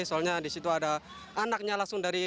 soalnya disitu ada anaknya langsung dari